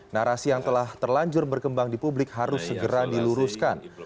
narasi yang telah terlanjur berkembang di publik harus segera diluruskan